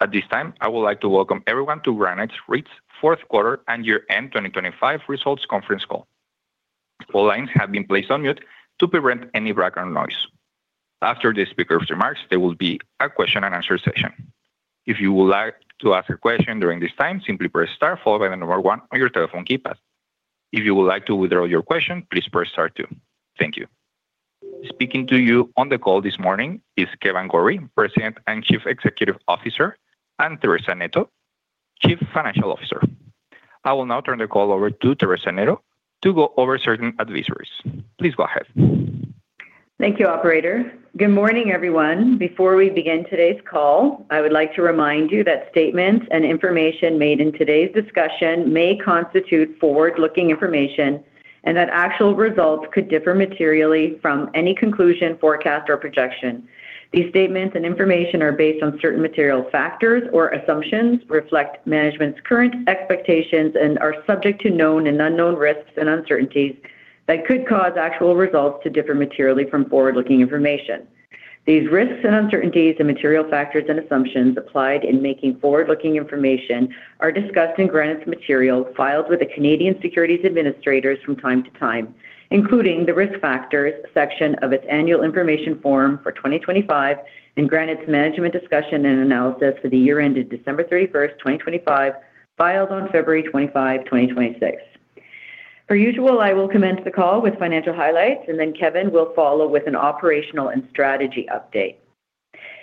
At this time, I would like to welcome everyone to Granite REIT's Fourth Quarter and Year-End 2025 Results Conference Call. All lines have been placed on mute to prevent any background noise. After the speaker's remarks, there will be a question-and-answer session. If you would like to ask a question during this time, simply press star followed by the number one on your telephone keypad. If you would like to withdraw your question, please press star two. Thank you. Speaking to you on the call this morning is Kevan Gorrie, President and Chief Executive Officer, and Teresa Neto, Chief Financial Officer. I will now turn the call over to Teresa Neto to go over certain advisories. Please go ahead. Thank you, operator. Good morning, everyone. Before we begin today's call, I would like to remind you that statements and information made in today's discussion may constitute forward-looking information and that actual results could differ materially from any conclusion, forecast, or projection. These statements and information are based on certain material factors or assumptions, reflect management's current expectations, and are subject to known and unknown risks and uncertainties that could cause actual results to differ materially from forward-looking information. These risks and uncertainties and material factors and assumptions applied in making forward-looking information are discussed in Granite's material filed with the Canadian Securities Administrators from time to time, including the Risk Factors section of its annual information form for 2025 and Granite's management discussion and analysis for the year ended December 31st, 2025, filed on February 25, 2026. Per usual, I will commence the call with financial highlights, and then Kevan will follow with an operational and strategy update.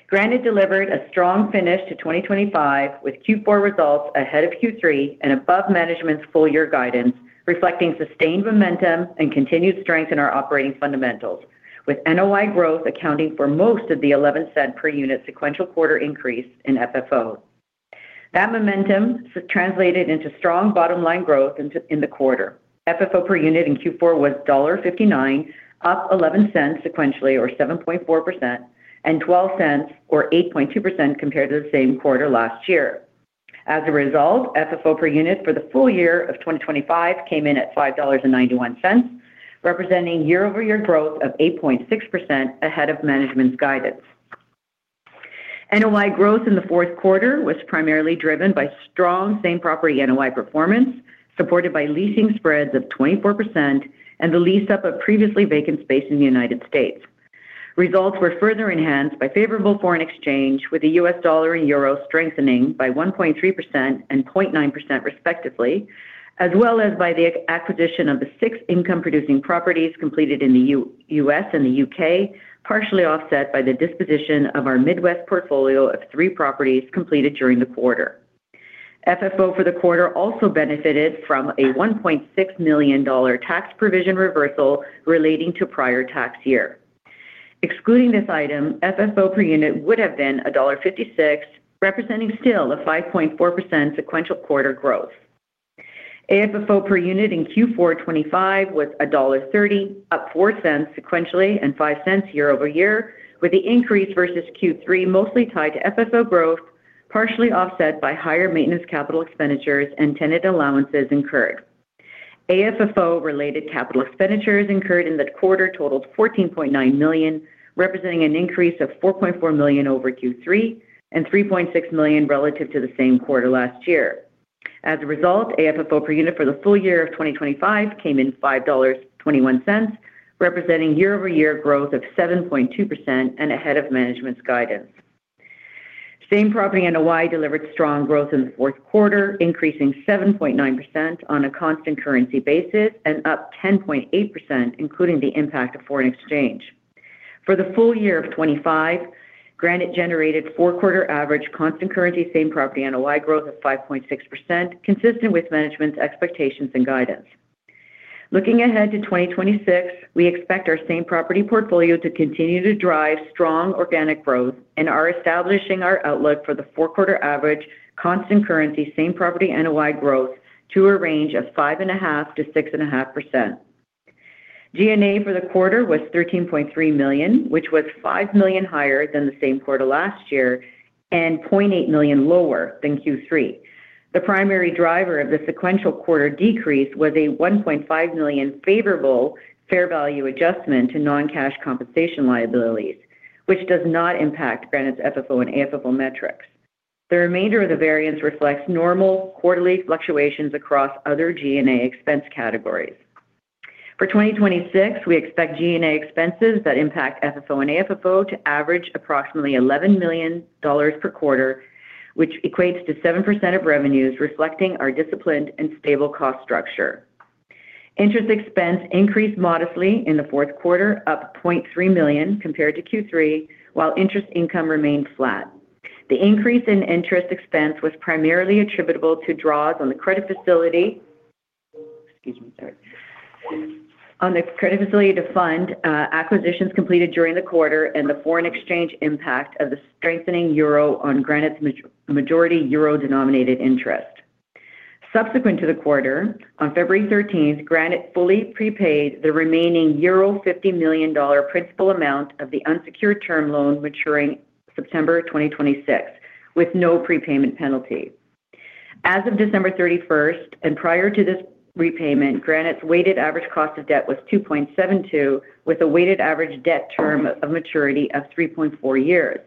Granite delivered a strong finish to 2025, with Q4 results ahead of Q3 and above management's full year guidance, reflecting sustained momentum and continued strength in our operating fundamentals, with NOI growth accounting for most of the 0.11 per unit sequential quarter increase in FFO. That momentum translated into strong bottomline growth in the quarter. FFO per unit in Q4 was dollar 1.59, up 0.11 sequentially or 7.4%, and 0.12 or 8.2% compared to the same quarter last year. As a result, FFO per unit for the full year of 2025 came in at 5.91 dollars, representing year-over-year growth of 8.6% ahead of management's guidance. NOI growth in the fourth quarter was primarily driven by strong same-property NOI performance, supported by leasing spreads of 24% and the lease-up of previously vacant space in the United States. Results were further enhanced by favorable foreign exchange, with the US dollar and euro strengthening by 1.3% and 0.9%, respectively, as well as by the acquisition of the six income-producing properties completed in the U.S. and the U.K., partially offset by the disposition of our Midwest portfolio of three properties completed during the quarter. FFO for the quarter also benefited from a 1.6 million dollar tax provision reversal relating to prior tax year. Excluding this item, FFO per unit would have been dollar 1.56, representing still a 5.4% sequential quarter growth. AFFO per unit in Q4 2025 was dollar 1.30, up 0.04 sequentially and 0.05 year-over-year, with the increase versus Q3 mostly tied to FFO growth, partially offset by higher maintenance, capital expenditures, and tenant allowances incurred. AFFO-related capital expenditures incurred in the quarter totaled 14.9 million, representing an increase of 4.4 million over Q3 and 3.6 million relative to the same quarter last year. As a result, AFFO per unit for the full year of 2025 came in 5.21 dollars, representing year-over-year growth of 7.2% and ahead of management's guidance. Same-property NOI delivered strong growth in the fourth quarter, increasing 7.9% on a constant currency basis and up 10.8%, including the impact of foreign exchange. For the full year of 2025, Granite generated 4-quarter average constant currency, same-property NOI growth of 5.6%, consistent with management's expectations and guidance. Looking ahead to 2026, we expect our same-property portfolio to continue to drive strong organic growth and are establishing our outlook for the 4-quarter average constant currency, same-property NOI growth to a range of 5.5%-6.5%. G&A for the quarter was 13.3 million, which was 5 million higher than the same quarter last year and 0.8 million lower than Q3. The primary driver of the sequential quarter decrease was a 1.5 million favorable fair value adjustment to non-cash compensation liabilities, which does not impact Granite's FFO and AFFO metrics. The remainder of the variance reflects normal quarterly fluctuations across other G&A expense categories. For 2026, we expect G&A expenses that impact FFO and AFFO to average approximately 11 million dollars per quarter, which equates to 7% of revenues, reflecting our disciplined and stable cost structure. Interest expense increased modestly in the fourth quarter, up 0.3 million compared to Q3, while interest income remained flat. The increase in interest expense was primarily attributable to draws on the credit facility. Excuse me, sorry. On the credit facility to fund acquisitions completed during the quarter and the foreign exchange impact of the strengthening euro on Granite's majority euro-denominated interest. Subsequent to the quarter, on February 13th, Granite fully prepaid the remaining euro 50 million principal amount of the unsecured term loan maturing September 2026, with no prepayment penalty. Prior to this repayment, Granite's weighted average cost of debt was 2.72, with a weighted average debt term of maturity of 3.4 years.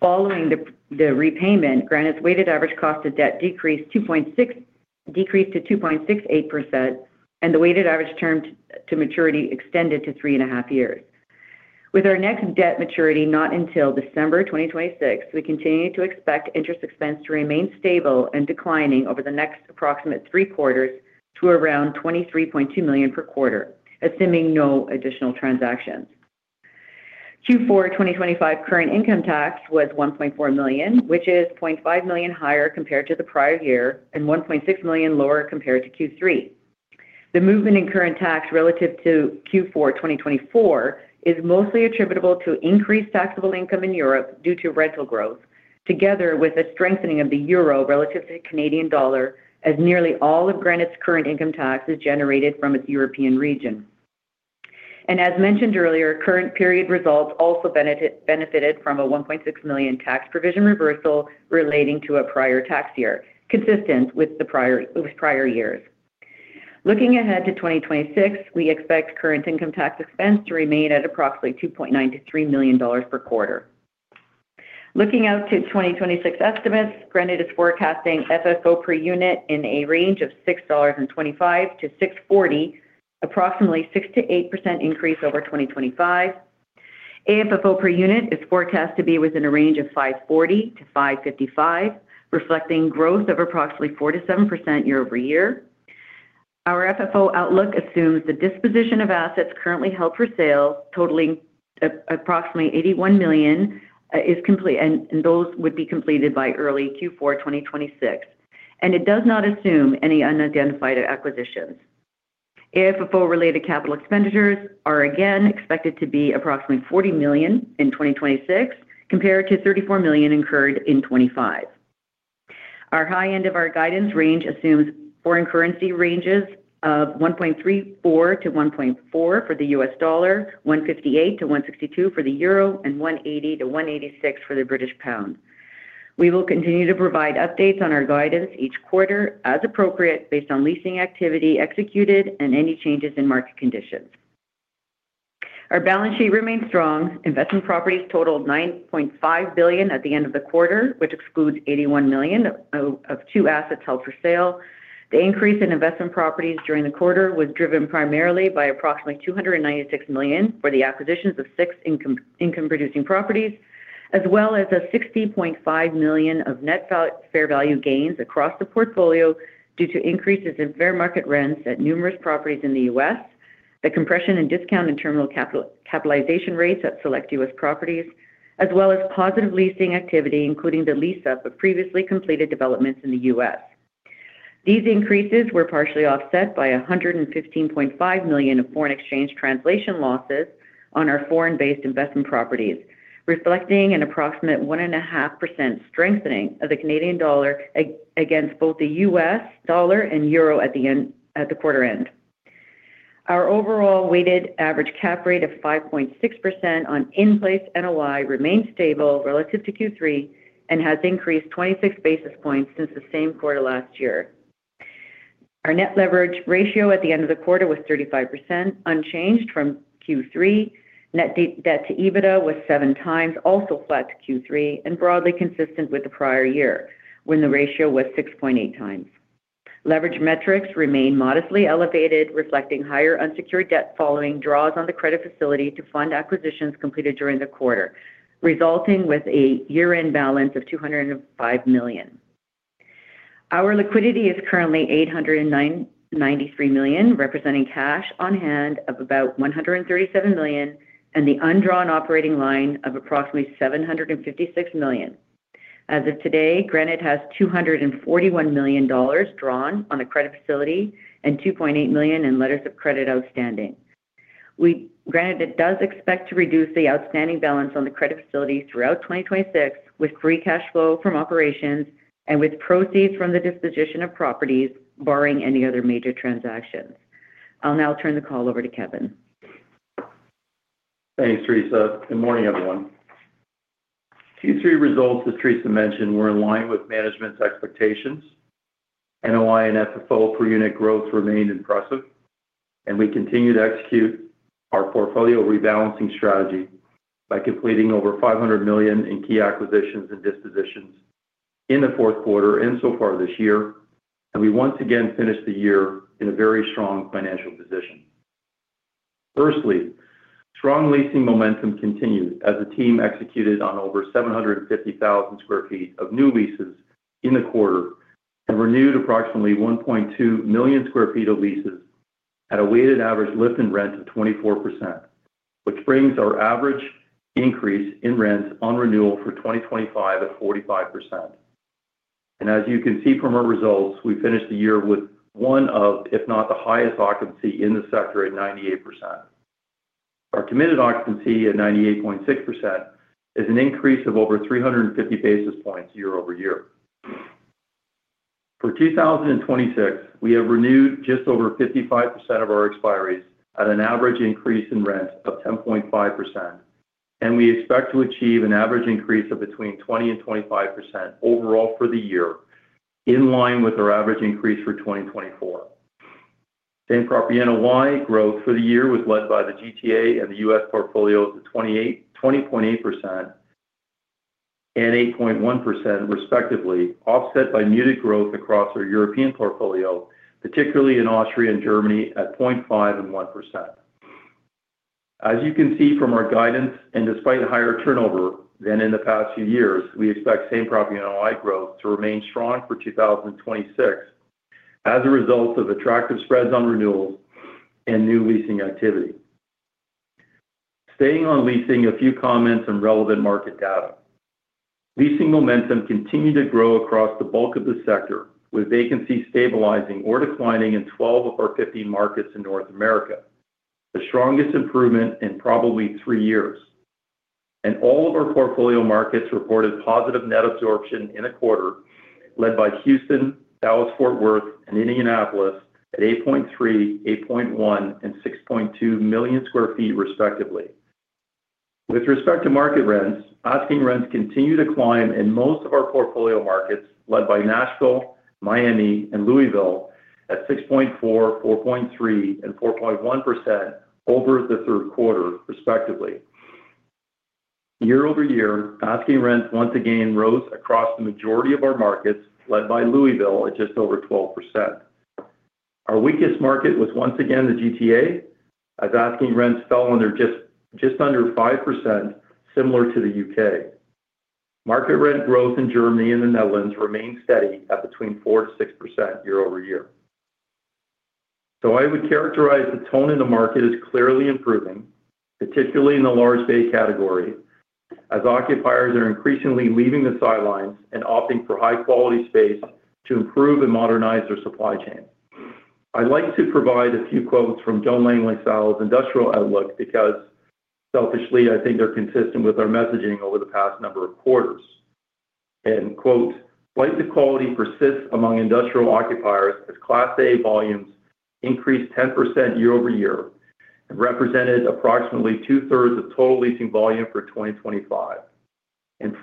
Following the repayment, Granite's weighted average cost of debt decreased to 2.68%, and the weighted average term to maturity extended to three and a half years. With our next debt maturity not until December 2026, we continue to expect interest expense to remain stable and declining over the next approximate 3 quarters to around 23.2 million per quarter, assuming no additional transactions. Q4 2025 current income tax was 1.4 million, which is 0.5 million higher compared to the prior year, and 1.6 million lower compared to Q3. The movement in current tax relative to Q4 2024 is mostly attributable to increased taxable income in Europe due to rental growth, together with a strengthening of the euro relative to the Canadian dollar, as nearly all of Granite's current income tax is generated from its European region. As mentioned earlier, current period results also benefited from a 1.6 million tax provision reversal relating to a prior tax year, consistent with prior years. Looking ahead to 2026, we expect current income tax expense to remain at approximately 2.9 million dollars-CAD3 million per quarter. Looking out to 2026 estimates, Granite is forecasting FFO per unit in a range of CAD6.25-CAD6.40, approximately 6%-8% increase over 2025. AFFO per unit is forecast to be within a range of 5.40-5.55, reflecting growth of approximately 4%-7% year-over-year. Our FFO outlook assumes the disposition of assets currently held for sale, totaling approximately 81 million, is complete, and those would be completed by early Q4 2026. It does not assume any unidentified acquisitions. AFFO-related capital expenditures are again expected to be approximately 40 million in 2026, compared to 34 million incurred in 2025. Our high end of our guidance range assumes foreign currency ranges of 1.34-1.4 for the US dollar, 1.58-1.62 for the euro, and 1.80-1.86 for the British pound. We will continue to provide updates on our guidance each quarter as appropriate, based on leasing activity executed and any changes in market conditions. Our balance sheet remains strong. Investment properties totaled 9.5 billion at the end of the quarter, which excludes 81 million of two assets held for sale. The increase in investment properties during the quarter was driven primarily by approximately 296 million for the acquisitions of six income-producing properties, as well as 60.5 million of net fair value gains across the portfolio due to increases in fair market rents at numerous properties in the U.S. The compression and discount in terminal capitalization rates at select U.S. properties, as well as positive leasing activity, including the lease up of previously completed developments in the U.S. These increases were partially offset by 115.5 million of foreign exchange translation losses on our foreign-based investment properties, reflecting an approximate 1.5% strengthening of the Canadian dollar against both the US dollar and euro at the quarter end. Our overall weighted average cap rate of 5.6% on in-place NOI remains stable relative to Q3, and has increased 26 basis points since the same quarter last year. Our net leverage ratio at the end of the quarter was 35%, unchanged from Q3. Net debt to EBITDA was 7 times, also flat to Q3, and broadly consistent with the prior year, when the ratio was 6.8 times. Leverage metrics remain modestly elevated, reflecting higher unsecured debt following draws on the credit facility to fund acquisitions completed during the quarter, resulting with a year-end balance of 205 million. Our liquidity is currently 893 million, representing cash on hand of about 137 million, and the undrawn operating line of approximately 756 million. As of today, Granite has 241 million dollars drawn on the credit facility and 2.8 million in letters of credit outstanding. Granite does expect to reduce the outstanding balance on the credit facility throughout 2026 with free cash flow from operations and with proceeds from the disposition of properties, barring any other major transactions. I'll now turn the call over to Kevan. Thanks, Teresa. Good morning, everyone. Q3 results, as Teresa mentioned, were in line with management's expectations. NOI and FFO per unit growth remained impressive, and we continued to execute our portfolio rebalancing strategy by completing over 500 million in key acquisitions and dispositions in the fourth quarter and so far this year. We once again finished the year in a very strong financial position. Firstly, strong leasing momentum continued as the team executed on over 750,000 sq ft of new leases in the quarter and renewed approximately 1.2 million sq ft of leases at a weighted average lift in rent of 24%, which brings our average increase in rents on renewal for 2025 at 45%. As you can see from our results, we finished the year with one of, if not the highest occupancy in the sector, at 98%. Our committed occupancy at 98.6% is an increase of over 350 basis points year-over-year. For 2026, we have renewed just over 55% of our expiries at an average increase in rent of 10.5%. We expect to achieve an average increase of between 20% and 25% overall for the year, in line with our average increase for 2024. Same-property NOI growth for the year was led by the GTA and the US portfolio to 28, 20.8% and 8.1% respectively, offset by muted growth across our European portfolio, particularly in Austria and Germany, at 0.5% and 1%. As you can see from our guidance, and despite higher turnover than in the past few years, we expect same-property NOI growth to remain strong for 2026 as a result of attractive spreads on renewals and new leasing activity. Staying on leasing, a few comments on relevant market data. Leasing momentum continued to grow across the bulk of the sector, with vacancy stabilizing or declining in 12 of our 15 markets in North America. The strongest improvement in probably three years. All of our portfolio markets reported positive net absorption in a quarter led by Houston, Dallas-Fort Worth, and Indianapolis at 8.3, 8.1, and 6.2 million sq ft, respectively. With respect to market rents, asking rents continue to climb in most of our portfolio markets, led by Nashville, Miami, and Louisville at 6.4.3, and 4.1% over the third quarter, respectively. Year-over-year, asking rents once again rose across the majority of our markets, led by Louisville at just over 12%. Our weakest market was once again the GTA, as asking rents fell just under 5%, similar to the UK. Market rent growth in Germany and the Netherlands remained steady at between 4%-6% year-over-year. I would characterize the tone in the market as clearly improving, particularly in the large Bay category, as occupiers are increasingly leaving the sidelines and opting for high-quality space to improve and modernize their supply chain. I'd like to provide a few quotes from JLL Industrial Outlook, because selfishly, I think they're consistent with our messaging over the past number of quarters. Quote, "Flight to quality persists among industrial occupiers as Class A volumes increased 10% year-over-year and represented approximately two-thirds of total leasing volume for 2025."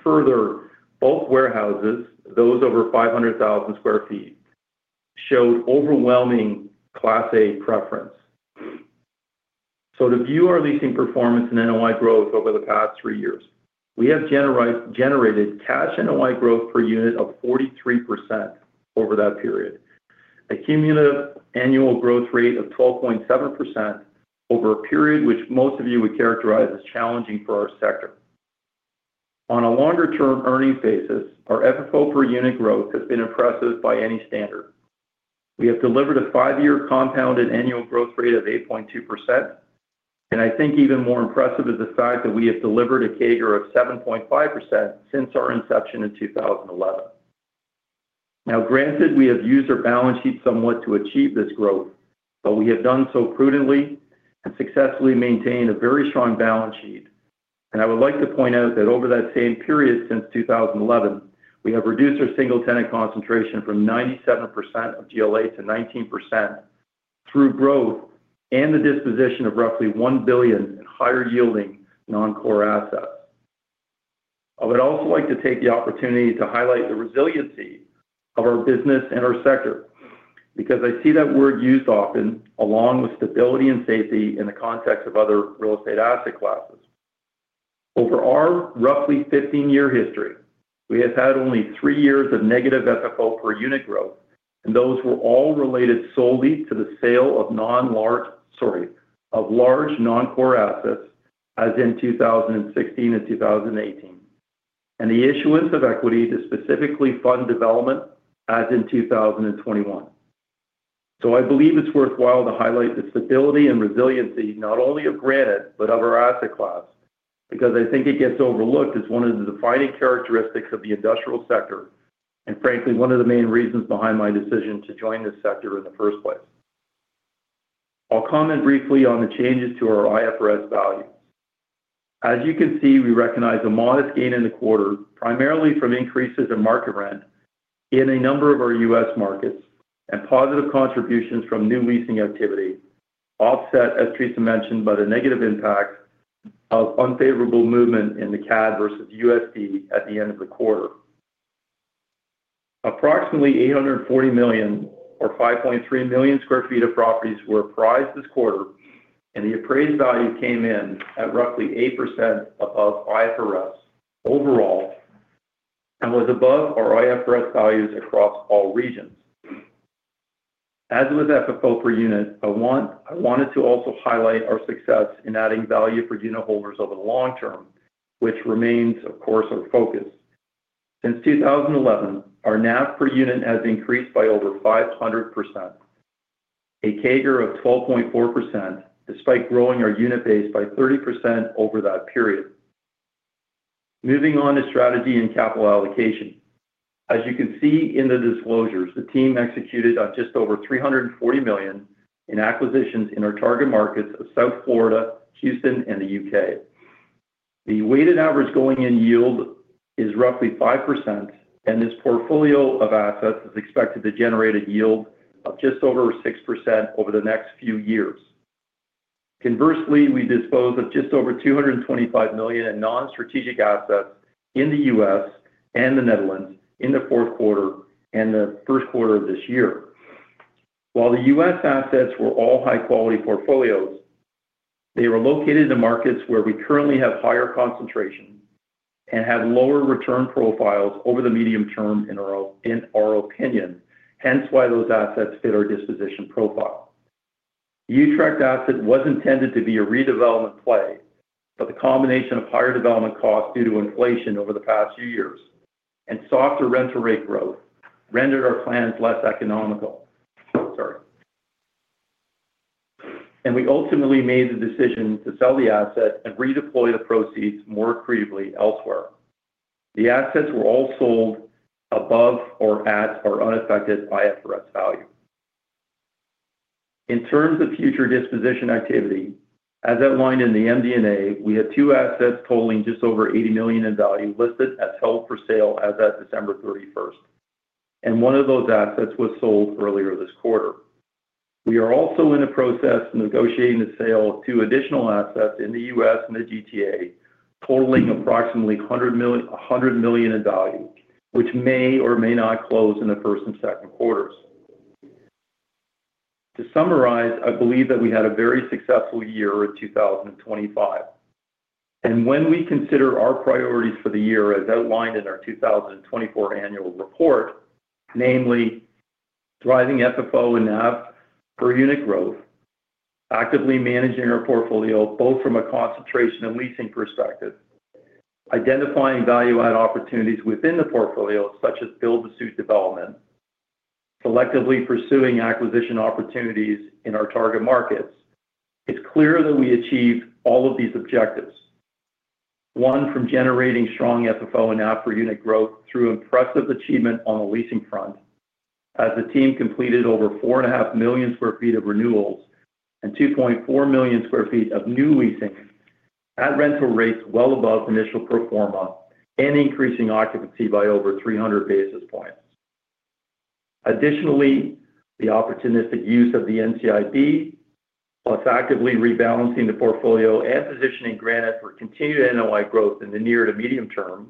Further, both warehouses, those over 500,000 sq ft, showed overwhelming Class A preference. To view our leasing performance and NOI growth over the past three years, we have generated cash NOI growth per unit of 43% over that period, a cumulative annual growth rate of 12.7% over a period which most of you would characterize as challenging for our sector. On a longer-term earnings basis, our FFO per unit growth has been impressive by any standard. We have delivered a 5-year compounded annual growth rate of 8.2%. I think even more impressive is the fact that we have delivered a CAGR of 7.5% since our inception in 2011. Granted, we have used our balance sheet somewhat to achieve this growth. We have done so prudently and successfully maintained a very strong balance sheet. I would like to point out that over that same period, since 2011, we have reduced our single-tenant concentration from 97% of GLA to 19% through growth and the disposition of roughly 1 billion in higher-yielding, non-core assets. I would also like to take the opportunity to highlight the resiliency of our business and our sector, because I see that word used often, along with stability and safety, in the context of other real estate asset classes. Over our roughly 15-year history, we have had only three years of negative FFO per unit growth, and those were all related solely to the sale of large non-core assets, as in 2016 and 2018, and the issuance of equity to specifically fund development as in 2021. I believe it's worthwhile to highlight the stability and resiliency not only of Granite but of our asset class, because I think it gets overlooked as one of the defining characteristics of the industrial sector. Frankly, one of the main reasons behind my decision to join this sector in the first place. I'll comment briefly on the changes to our IFRS value. You can see, we recognize a modest gain in the quarter, primarily from increases in market rent in a number of our US markets and positive contributions from new leasing activity, offset, as Teresa mentioned, by the negative impact of unfavorable movement in the CAD versus USD at the end of the quarter. Approximately 840 million or 5.3 million sq ft of properties were appraised this quarter. The appraised value came in at roughly 8% above IFRS overall and was above our IFRS values across all regions. As with FFO per unit, I wanted to also highlight our success in adding value for unitholders over the long term, which remains, of course, our focus. Since 2011, our NAV per unit has increased by over 500%, a CAGR of 12.4%, despite growing our unit base by 30% over that period. Moving on to strategy and capital allocation. As you can see in the disclosures, the team executed on just over 340 million in acquisitions in our target markets of South Florida, Houston, and the U.K. The weighted average going in yield-... is roughly 5%. This portfolio of assets is expected to generate a yield of just over 6% over the next few years. Conversely, we disposed of just over 225 million in non-strategic assets in the U.S. and the Netherlands in the fourth quarter and the first quarter of this year. While the U.S. assets were all high-quality portfolios, they were located in markets where we currently have higher concentration and have lower return profiles over the medium term, in our opinion, hence why those assets fit our disposition profile. The Utrecht asset was intended to be a redevelopment play. The combination of higher development costs due to inflation over the past few years and softer rental rate growth rendered our plans less economical. Sorry. We ultimately made the decision to sell the asset and redeploy the proceeds more creatively elsewhere. The assets were all sold above or at, or unaffected by IFRS value. In terms of future disposition activity, as outlined in the MD&A, we have two assets totaling just over 80 million in value, listed as held for sale as at December 31st, and one of those assets was sold earlier this quarter. We are also in the process of negotiating the sale of two additional assets in the US and the GTA, totaling approximately 100 million in value, which may or may not close in the 1st and 2nd quarters. To summarize, I believe that we had a very successful year in 2025. When we consider our priorities for the year, as outlined in our 2024 annual report, namely, driving FFO and AFF per unit growth, actively managing our portfolio, both from a concentration and leasing perspective, identifying value-add opportunities within the portfolio, such as build-to-suit development, selectively pursuing acquisition opportunities in our target markets. It's clear that we achieved all of these objectives. One, from generating strong FFO and AFF per unit growth through impressive achievement on the leasing front, as the team completed over 4.5 million sq ft of renewals and 2.4 million sq ft of new leasing at rental rates well above initial pro forma and increasing occupancy by over 300 basis points. Additionally, the opportunistic use of the NCIB, plus actively rebalancing the portfolio and positioning Granite for continued NOI growth in the near to medium term,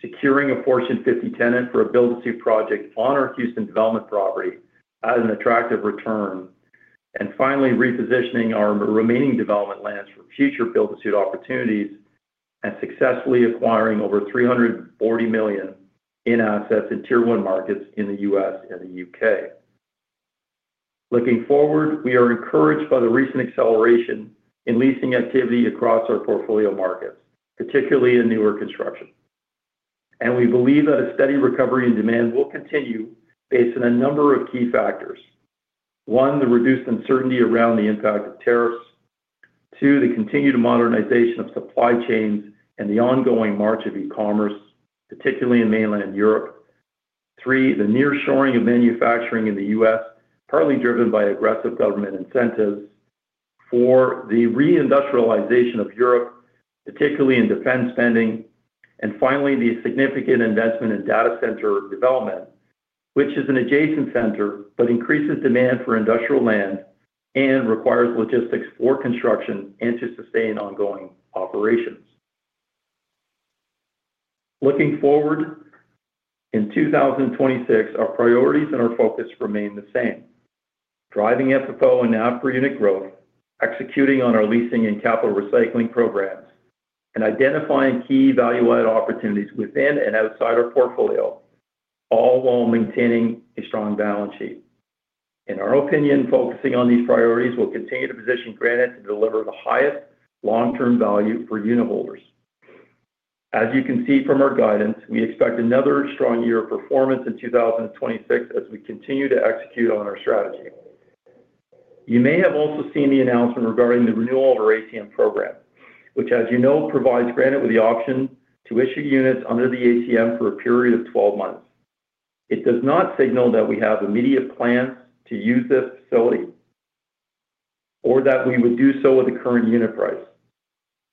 securing a Fortune 50 tenant for a build-to-suit project on our Houston development property at an attractive return, and finally, repositioning our remaining development lands for future build-to-suit opportunities, and successfully acquiring over 340 million in assets in Tier 1 markets in the U.S. and the U.K. Looking forward, we are encouraged by the recent acceleration in leasing activity across our portfolio markets, particularly in newer construction. We believe that a steady recovery and demand will continue based on a number of key factors. 1, the reduced uncertainty around the impact of tariffs. 2, the continued modernization of supply chains and the ongoing march of e-commerce, particularly in mainland Europe. Three, the nearshoring of manufacturing in the U.S., partly driven by aggressive government incentives. Four, the re-industrialization of Europe, particularly in defense spending. Finally, the significant investment in data center development, which is an adjacent center, but increases demand for industrial land and requires logistics for construction and to sustain ongoing operations. Looking forward, in 2026, our priorities and our focus remain the same: driving FFO and AFF per unit growth, executing on our leasing and capital recycling programs, and identifying key value-add opportunities within and outside our portfolio, all while maintaining a strong balance sheet. In our opinion, focusing on these priorities will continue to position Granite to deliver the highest long-term value for unitholders. As you can see from our guidance, we expect another strong year of performance in 2026 as we continue to execute on our strategy. You may have also seen the announcement regarding the renewal of our ATM program, which, as you know, provides Granite with the option to issue units under the ATM for a period of 12 months. It does not signal that we have immediate plans to use this facility or that we would do so at the current unit price.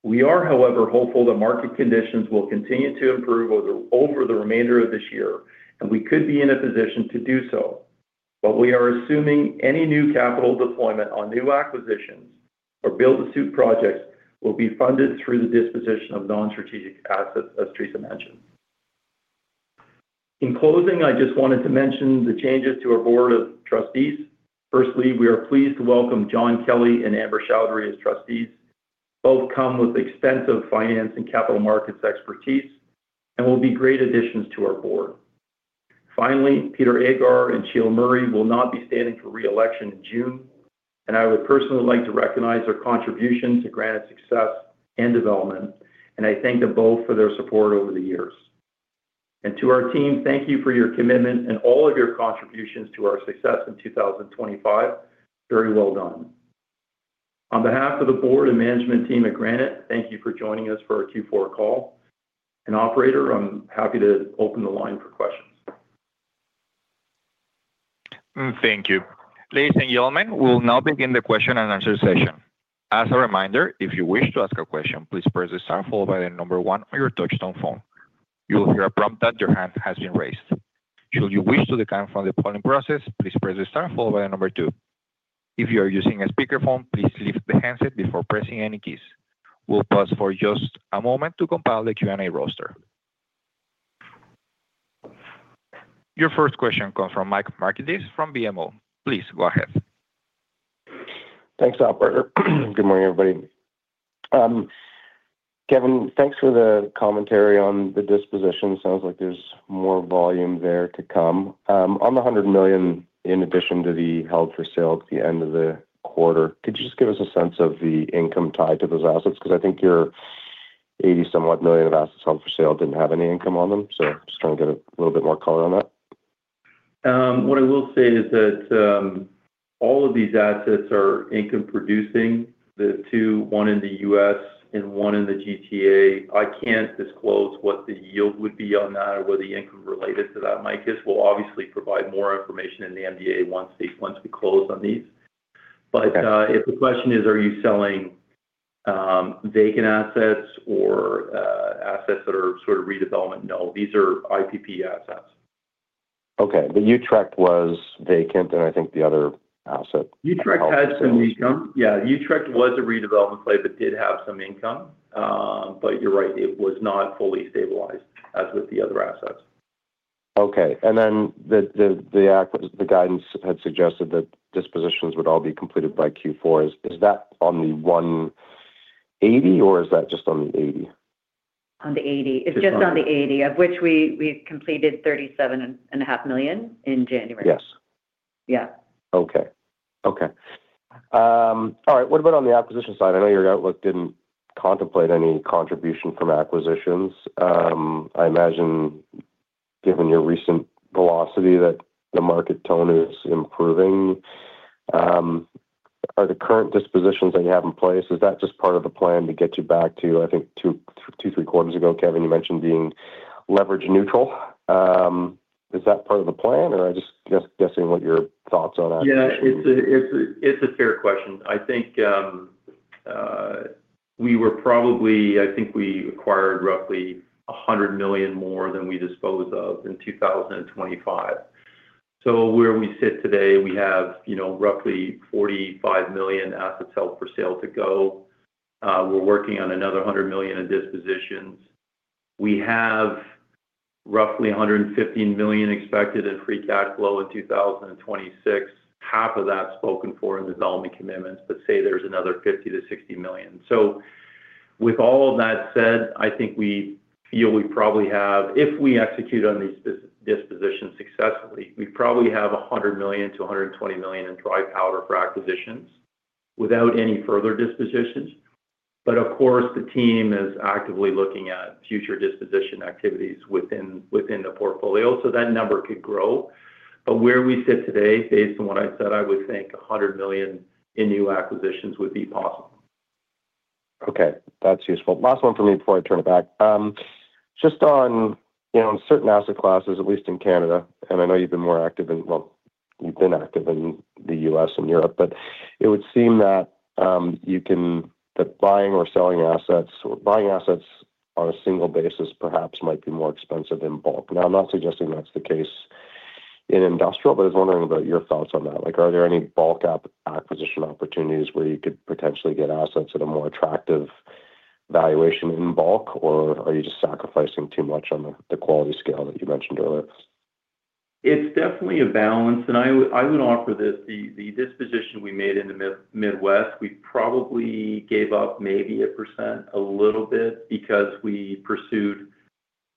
We are, however, hopeful that market conditions will continue to improve over the remainder of this year, and we could be in a position to do so. We are assuming any new capital deployment on new acquisitions or build-to-suit projects will be funded through the disposition of non-strategic assets, as Teresa mentioned. In closing, I just wanted to mention the changes to our Board of Trustees. Firstly, we are pleased to welcome John Kelly and Amber Choudhry as trustees. Both come with extensive finance and capital markets expertise and will be great additions to our board. Peter Aghar and Sheila A. Murray will not be standing for re-election in June. I would personally like to recognize their contribution to Granite's success and development. I thank them both for their support over the years. To our team, thank you for your commitment and all of your contributions to our success in 2025. Very well done. On behalf of the board and management team at Granite, thank you for joining us for our Q4 call. Operator, I'm happy to open the line for questions. Thank you. Ladies and gentlemen, we'll now begin the question-and-answer session. As a reminder, if you wish to ask a question, please press the star followed by one on your touchtone phone. You will hear a prompt that your hand has been raised. Should you wish to decline from the polling process, please press the star followed by two. If you are using a speakerphone, please lift the handset before pressing any keys. We'll pause for just a moment to compile the Q&A roster. Your first question comes from Mike Markidis from BMO. Please go ahead. Thanks, operator. Good morning, everybody. Kevan, thanks for the commentary on the disposition. Sounds like there's more volume there to come. On the 100 million, in addition to the held for sale at the end of the quarter, could you just give us a sense of the income tied to those assets? I think your 80 somewhat million of assets held for sale didn't have any income on them, so just trying to get a little bit more color on that. What I will say is that all of these assets are income-producing. The two, one in the U.S. and one in the GTA. I can't disclose what the yield would be on that or what the income related to that might be. We'll obviously provide more information in the MD&A once we close on these. Okay. If the question is, are you selling, vacant assets or, assets that are sort of redevelopment? No, these are IPP assets. Okay. The Utrecht was vacant, and I think the other asset- Utrecht had some income. Yeah, Utrecht was a redevelopment play, but did have some income. You're right, it was not fully stabilized as with the other assets. Okay. The guidance had suggested that dispositions would all be completed by Q4. Is that on the 180 or is that just on the 80? On the 80. It's just on the 80, of which we've completed 37.5 million in January. Yes. Yeah. Okay. Okay. All right, what about on the acquisition side? I know your outlook didn't contemplate any contribution from acquisitions. I imagine, given your recent velocity, that the market tone is improving. Are the current dispositions that you have in place, is that just part of the plan to get you back to, I think, 2, 3 quarters ago, Kevan, you mentioned being leverage neutral. Is that part of the plan, or I'm just guessing what your thoughts on that? Yeah, it's a fair question. I think we acquired roughly 100 million more than we disposed of in 2025. Where we sit today, we have, you know, roughly 45 million assets held for sale to go. We're working on another 100 million in dispositions. We have roughly 115 million expected in free cash flow in 2026. Half of that spoken for in development commitments, but say there's another 50-60 million. With all of that said, I think we feel we probably have if we execute on these dispositions successfully, we probably have 100 million-120 million in dry powder for acquisitions without any further dispositions. Of course, the team is actively looking at future disposition activities within the portfolio, so that number could grow. Where we sit today, based on what I said, I would think 100 million in new acquisitions would be possible. Okay, that's useful. Last one from me before I turn it back. Just on, you know, certain asset classes, at least in Canada, and I know you've been more active in... Well, you've been active in the U.S. and Europe, but it would seem that buying or selling assets on a single basis perhaps might be more expensive than bulk. I'm not suggesting that's the case in industrial, but I was wondering about your thoughts on that. Like, are there any bulk acquisition opportunities where you could potentially get assets at a more attractive valuation in bulk, or are you just sacrificing too much on the quality scale that you mentioned earlier? It's definitely a balance, I would offer this. The disposition we made in the Midwest, we probably gave up maybe 1%, a little bit, because we pursued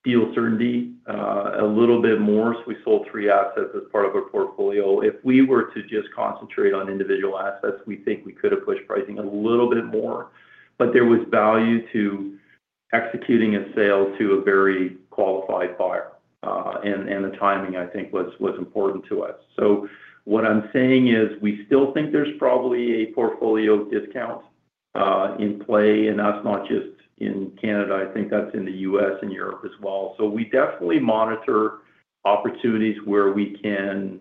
deal certainty, a little bit more. We sold 3 assets as part of a portfolio. If we were to just concentrate on individual assets, we think we could have pushed pricing a little bit more. There was value to executing a sale to a very qualified buyer. The timing, I think, was important to us. What I'm saying is, we still think there's probably a portfolio discount, in play, and that's not just in Canada. I think that's in the U.S. and Europe as well. We definitely monitor opportunities where we can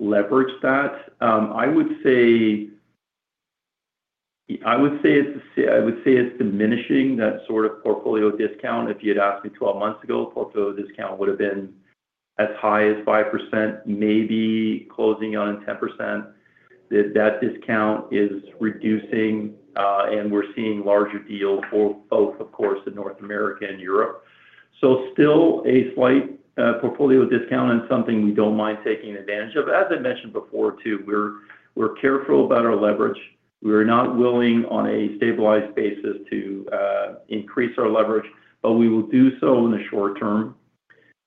leverage that. I would say... I would say it's diminishing that sort of portfolio discount. If you'd asked me 12 months ago, portfolio discount would have been as high as 5%, maybe closing on 10%. That discount is reducing, and we're seeing larger deals for both, of course, in North America and Europe. Still a slight portfolio discount and something we don't mind taking advantage of. As I mentioned before, too, we're careful about our leverage. We are not willing, on a stabilized basis, to increase our leverage, but we will do so in the short term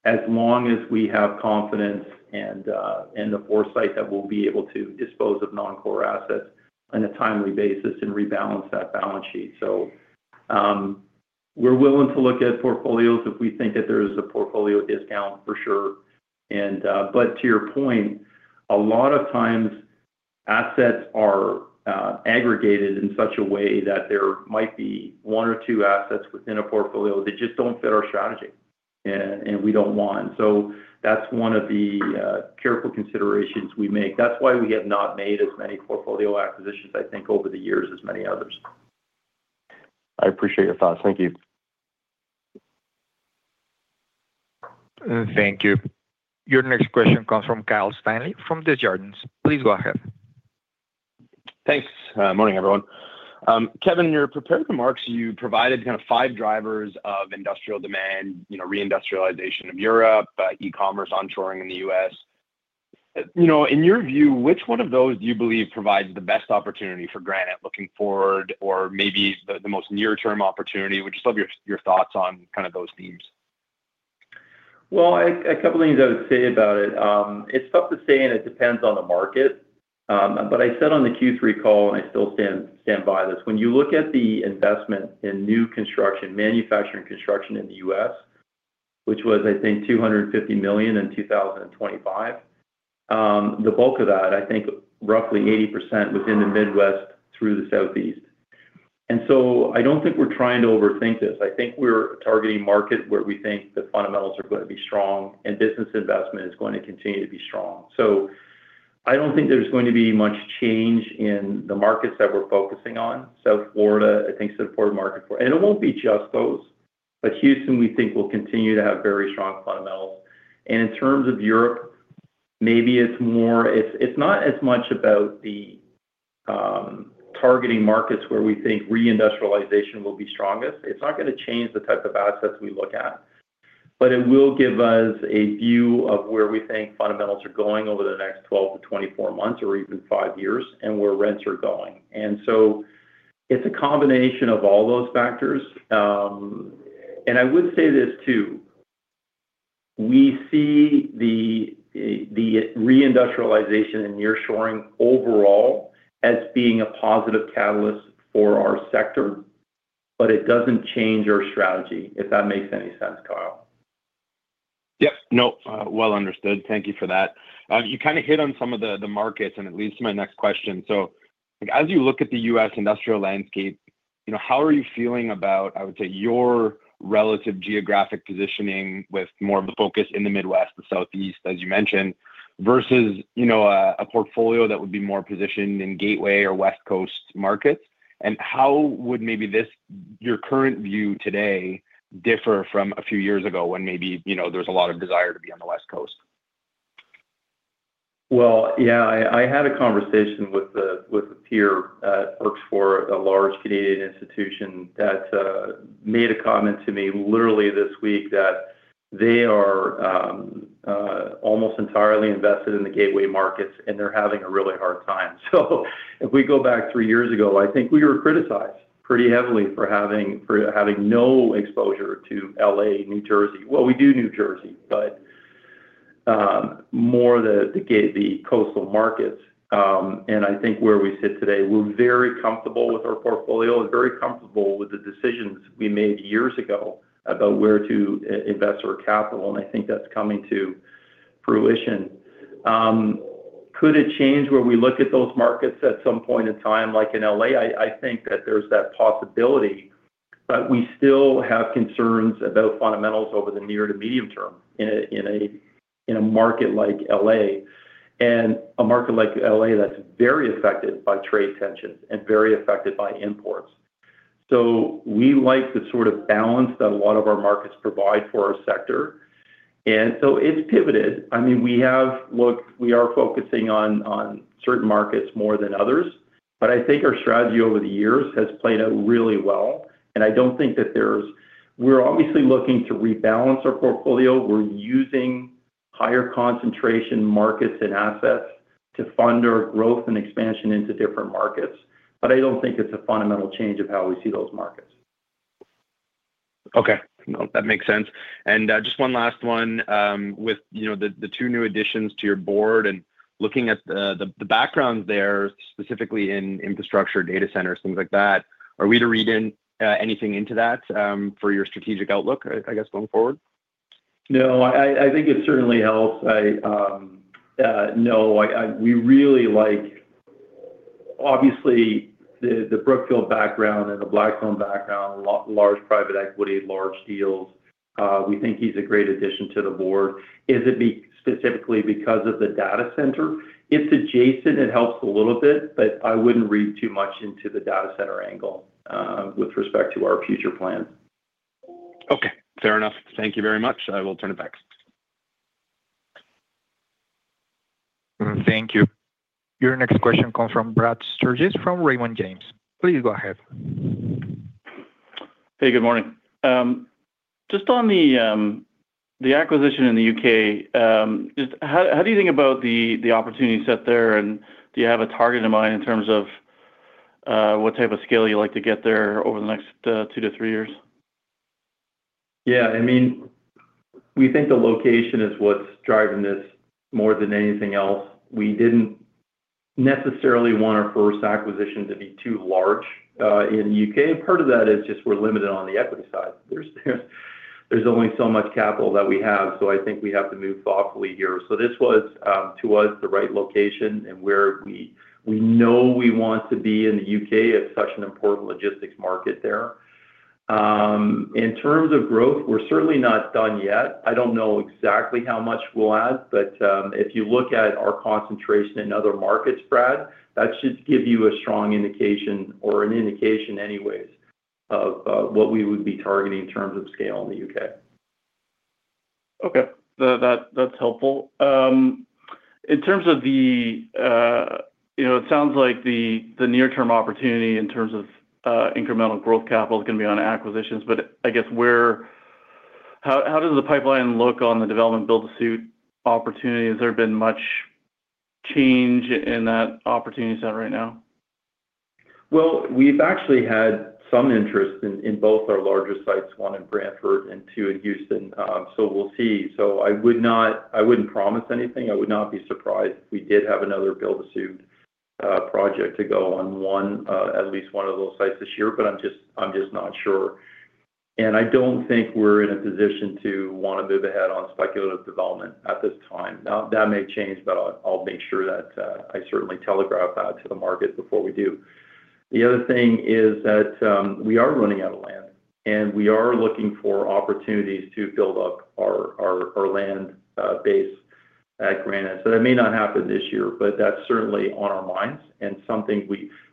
as long as we have confidence and the foresight that we'll be able to dispose of non-core assets on a timely basis and rebalance that balance sheet. We're willing to look at portfolios if we think that there is a portfolio discount, for sure. But to your point, a lot of times assets are aggregated in such a way that there might be one or two assets within a portfolio that just don't fit our strategy, and we don't want. That's one of the careful considerations we make. That's why we have not made as many portfolio acquisitions, I think, over the years as many others. I appreciate your thoughts. Thank you. Thank you. Your next question comes from Kyle Stanley from Desjardins. Please go ahead. Thanks. Morning, everyone. Kevan, in your prepared remarks, you provided kind of 5 drivers of industrial demand, you know, reindustrialization of Europe, e-commerce, onshoring in the U.S. you know, in your view, which one of those do you believe provides the best opportunity for Granite looking forward, or maybe the most near-term opportunity? What are some of your thoughts on kind of those themes? Well, I, a couple things I would say about it. It's tough to say, and it depends on the market, but I said on the Q3 call, and I still stand by this: when you look at the investment in new construction, manufacturing construction in the U.S., which was, I think, 250 million in 2025, the bulk of that, I think roughly 80%, was in the Midwest through the Southeast. I don't think we're trying to overthink this. I think we're targeting a market where we think the fundamentals are gonna be strong and business investment is going to continue to be strong. I don't think there's going to be much change in the markets that we're focusing on. Florida, I think, is an important market for. It won't be just those, but Houston, we think, will continue to have very strong fundamentals. In terms of Europe, maybe it's not as much about the targeting markets where we think reindustrialization will be strongest. It's not gonna change the type of assets we look at, but it will give us a view of where we think fundamentals are going over the next 12-24 months or even five years, and where rents are going. It's a combination of all those factors. I would say this, too: we see the reindustrialization and nearshoring overall as being a positive catalyst for our sector, but it doesn't change our strategy, if that makes any sense, Kyle. Yep. No, well understood. Thank you for that. You kind of hit on some of the markets, and it leads to my next question. Like, as you look at the U.S. industrial landscape, you know, how are you feeling about, I would say, your relative geographic positioning with more of a focus in the Midwest and Southeast, as you mentioned, versus, you know, a portfolio that would be more positioned in gateway or West Coast markets? How would maybe this, your current view today, differ from a few years ago when maybe, you know, there was a lot of desire to be on the West Coast? Well, yeah, I had a conversation with a peer, works for a large Canadian institution that made a comment to me literally this week that they are almost entirely invested in the gateway markets, and they're having a really hard time. If we go back 3 years ago, I think we were criticized pretty heavily for having no exposure to L.A., New Jersey. We do New Jersey, but more the coastal markets. I think where we sit today, we're very comfortable with our portfolio and very comfortable with the decisions we made years ago about where to invest our capital, and I think that's coming to fruition. Could it change where we look at those markets at some point in time, like in L.A.? I think that there's that possibility, but we still have concerns about fundamentals over the near to medium term in a market like L.A., and a market like L.A. that's very affected by trade tensions and very affected by imports. We like the sort of balance that a lot of our markets provide for our sector, it's pivoted. I mean, we are focusing on certain markets more than others, I think our strategy over the years has played out really well, I don't think that there's. We're obviously looking to rebalance our portfolio. We're using higher concentration markets and assets to fund our growth and expansion into different markets, I don't think it's a fundamental change of how we see those markets. Okay. No, that makes sense. Just one last one. With, you know, the 2 new additions to your board and looking at the background there, specifically in infrastructure, data centers, things like that, are we to read in anything into that for your strategic outlook, I guess, going forward? No, I think it certainly helps. No, we really like, obviously, the Brookfield background and the Blackstone background, large private equity, large deals. We think he's a great addition to the board. Is it specifically because of the data center? It's adjacent, it helps a little bit, but I wouldn't read too much into the data center angle with respect to our future plans. Okay, fair enough. Thank you very much. I will turn it back. Thank you. Your next question comes from Brad Sturges from Raymond James. Please go ahead. Hey, good morning. Just on the acquisition in the U.K., just how do you think about the opportunity set there, and do you have a target in mind in terms of what type of scale you'd like to get there over the next two to three years? Yeah, I mean, we think the location is what's driving this more than anything else. We didn't necessarily want our first acquisition to be too large in the U.K. Part of that is just we're limited on the equity side. There's only so much capital that we have, so I think we have to move thoughtfully here. This was to us, the right location, and where we know we want to be in the U.K. It's such an important logistics market there. In terms of growth, we're certainly not done yet. I don't know exactly how much we'll add, but if you look at our concentration in other markets, Brad, that should give you a strong indication or an indication anyways, of what we would be targeting in terms of scale in the U.K. Okay. That's helpful. In terms of, you know, it sounds like the near-term opportunity in terms of incremental growth capital is gonna be on acquisitions, I guess how does the pipeline look on the development build-to-suit opportunity? Has there been much change in that opportunity set right now? Well, we've actually had some interest in both our larger sites, one in Brantford and two in Houston, so we'll see. I wouldn't promise anything. I would not be surprised if we did have another build-to-suit project to go on one, at least one of those sites this year, but I'm just not sure. I don't think we're in a position to wanna move ahead on speculative development at this time. Now, that may change, but I'll make sure that I certainly telegraph that to the market before we do. The other thing is that we are running out of land, and we are looking for opportunities to build up our land base at Granite. That may not happen this year, but that's certainly on our minds and something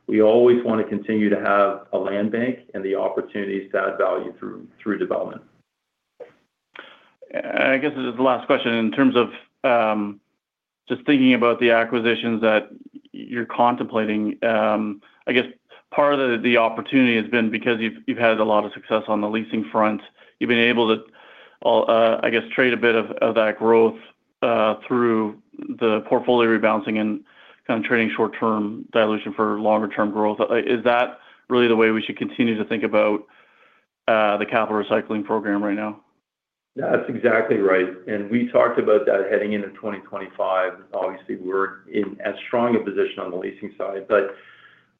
we always want to continue to have a land bank and the opportunity to add value through development. I guess this is the last question. In terms of, just thinking about the acquisitions that you're contemplating, I guess part of the opportunity has been because you've had a lot of success on the leasing front. You've been able to, I guess, trade a bit of that growth through the portfolio rebalancing and kind of trading short-term dilution for longer-term growth. Is that really the way we should continue to think about the capital recycling program right now? That's exactly right. We talked about that heading into 2025. Obviously, we're in as strong a position on the leasing side, but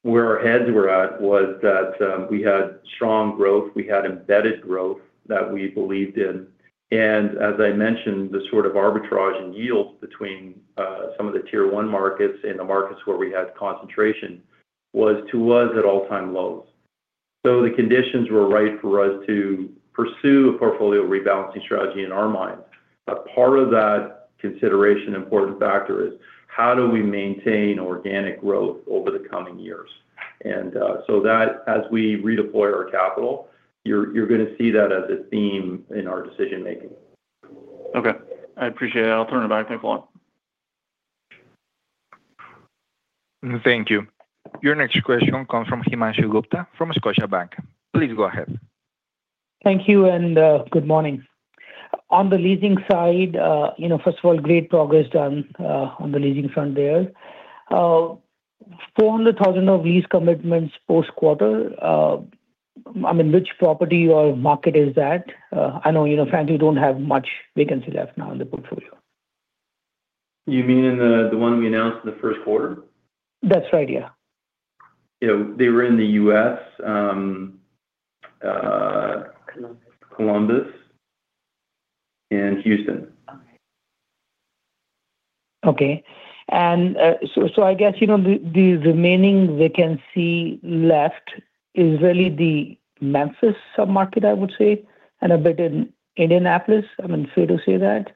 where our heads were at was that, we had strong growth, we had embedded growth that we believed in. As I mentioned, the sort of arbitrage in yields between, some of the Tier 1 markets and the markets where we had concentration was, to us, at all-time lows. The conditions were right for us to pursue a portfolio rebalancing strategy in our minds. Part of that consideration, important factor is: How do we maintain organic growth over the coming years? As we redeploy our capital, you're gonna see that as a theme in our decision making. Okay, I appreciate it. I'll turn it back. Thank you. Your next question comes from Himanshu Gupta from Scotiabank. Please go ahead. Thank you. Good morning. On the leasing side, you know, first of all, great progress done on the leasing front there. 400,000 of lease commitments post-quarter, I mean, which property or market is that? I know, you know, frankly, you don't have much vacancy left now in the portfolio. You mean in the one we announced in the first quarter? That's right, yeah. You know, they were in the U.S., Columbus and Houston. Okay. So I guess, you know, the remaining vacancy left is really the Memphis submarket, I would say, and a bit in Indianapolis. I mean, fair to say that?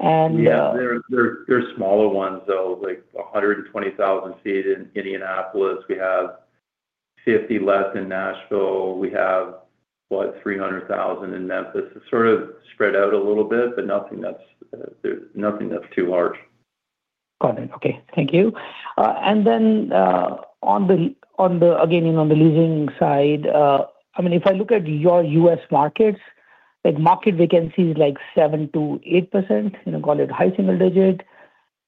Yeah, they're smaller ones, though, like 120,000 feet in Indianapolis. We have 50 less in Nashville. We have, what? 300,000 in Memphis. It's sort of spread out a little bit, but nothing that's too large. Got it. Okay, thank you. Again, on the leasing side, I mean, if I look at your U.S. markets, like, market vacancy is, like, 7%-8%, you know, call it high single digit.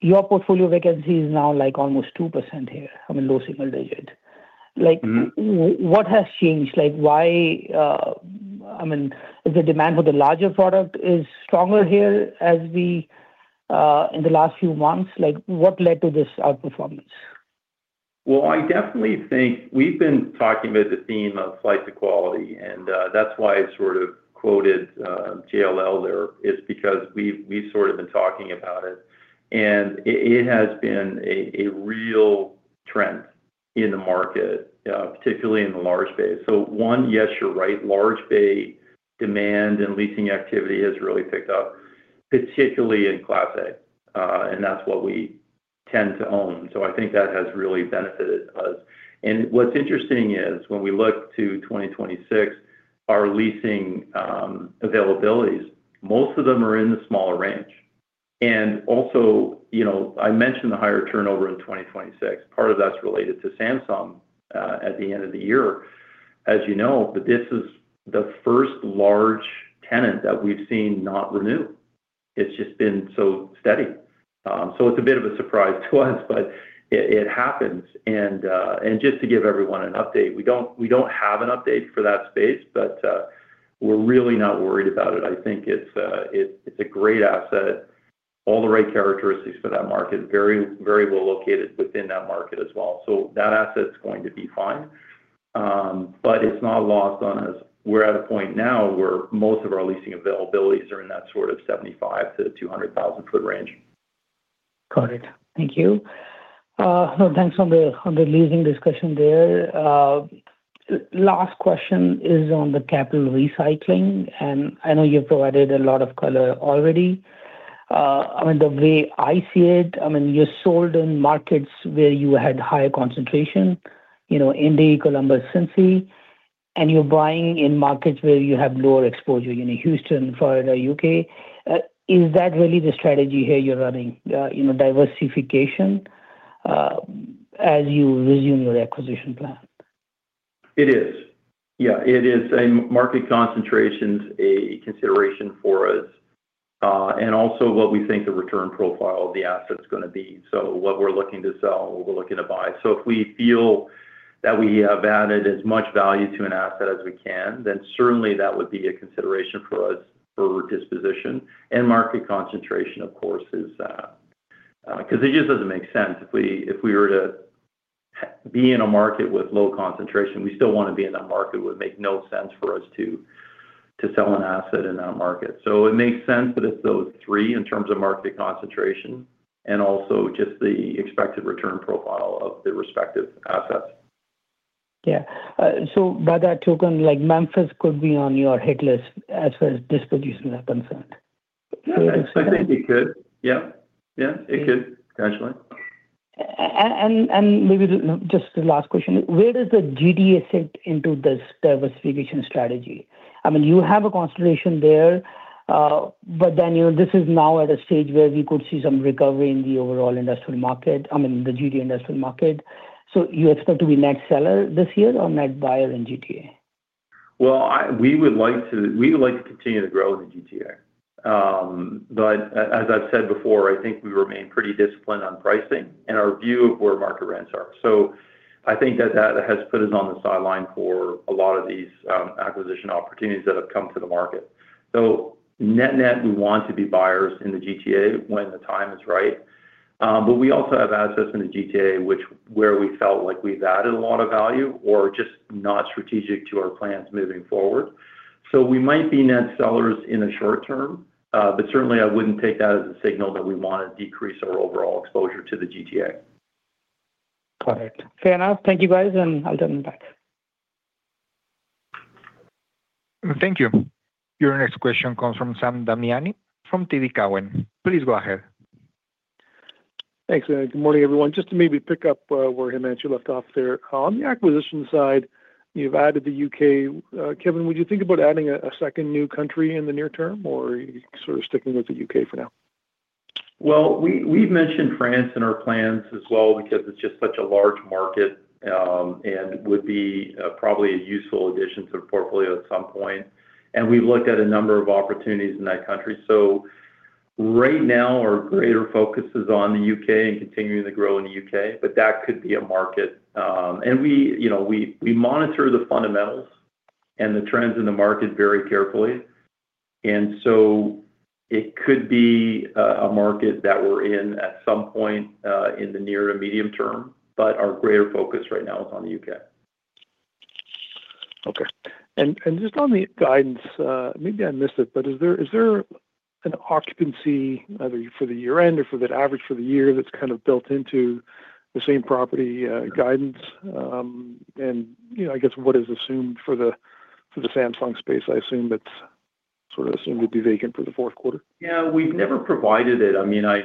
Your portfolio vacancy is now, like, almost 2% here, I mean, low single digit. Mm-hmm. What has changed? Like, why, I mean, is the demand for the larger product is stronger here as we, in the last few months? Like, what led to this outperformance? Well, I definitely think we've been talking about the theme of flight to quality, and that's why I sort of quoted JLL there, is because we've sort of been talking about it. It has been a real trend in the market, particularly in the large space. One, yes, you're right, large bay demand and leasing activity has really picked up, particularly in Class A, and that's what we tend to own. I think that has really benefited us. What's interesting is, when we look to 2026, our leasing availabilities, most of them are in the smaller range. Also, you know, I mentioned the higher turnover in 2026. Part of that's related to Samsung, at the end of the year, as you know, but this is the first large tenant that we've seen not renew. It's just been so steady. It's a bit of a surprise to us, but it happens. Just to give everyone an update, we don't have an update for that space, but we're really not worried about it. I think it's a great asset, all the right characteristics for that market, very, very well located within that market as well. That asset is going to be fine, but it's not lost on us. We're at a point now where most of our leasing availabilities are in that sort of 75,000-200,000-foot range. Got it. Thank you. Thanks on the, on the leasing discussion there. Last question is on the capital recycling, and I know you've provided a lot of color already. I mean, the way I see it, I mean, you sold in markets where you had higher concentration, you know, Indy, Columbus, Cincy, and you're buying in markets where you have lower exposure, you know, Houston, Florida, UK. Is that really the strategy here you're running, you know, diversification, as you resume your acquisition plan? It is. Yeah, it is. Market concentration's a consideration for us, and also what we think the return profile of the asset is gonna be. What we're looking to sell, what we're looking to buy. If we feel that we have added as much value to an asset as we can, then certainly that would be a consideration for us for disposition. Market concentration, of course, is. Because it just doesn't make sense. If we were to be in a market with low concentration, we still want to be in that market. It would make no sense for us to sell an asset in that market. It makes sense that it's those three in terms of market concentration and also just the expected return profile of the respective assets. Yeah. by that token, like, Memphis could be on your hit list as far as disposition is concerned? Yeah, I think it could. Yep. Yeah, it could, potentially. Maybe just the last question, where does the GTA fit into this diversification strategy? I mean, you have a consideration there, but then, you know, this is now at a stage where we could see some recovery in the overall industrial market, I mean, the GTA industrial market. You expect to be net seller this year or net buyer in GTA? We would like to continue to grow in the GTA. As I've said before, I think we remain pretty disciplined on pricing and our view of where market rents are. I think that that has put us on the sideline for a lot of these acquisition opportunities that have come to the market. Net, net, we want to be buyers in the GTA when the time is right. We also have assets in the GTA, which where we felt like we've added a lot of value or just not strategic to our plans moving forward. We might be net sellers in the short term, but certainly I wouldn't take that as a signal that we want to decrease our overall exposure to the GTA. Got it. Fair enough. Thank you, guys. I'll turn it back. Thank you. Your next question comes from Sam Damiani from TD Cowen. Please go ahead. Thanks. Good morning, everyone. Just to maybe pick up where Himanshu left off there. On the acquisition side, you've added the U.K. Kevan, would you think about adding a second new country in the near term, or are you sort of sticking with the U.K. for now? we've mentioned France in our plans as well because it's just such a large market, and would be probably a useful addition to the portfolio at some point. We've looked at a number of opportunities in that country. Right now, our greater focus is on the U.K. and continuing to grow in the U.K., but that could be a market. we, you know, we monitor the fundamentals and the trends in the market very carefully, and so it could be a market that we're in at some point in the near to medium term, but our greater focus right now is on the U.K. Okay. Just on the guidance, maybe I missed it, but is there an occupancy, either for the year-end or for the average for the year, that's kind of built into the same-property guidance? You know, I guess what is assumed for the Samsung space? I assume that's sort of assumed to be vacant for the fourth quarter. Yeah. We've never provided it. I mean, I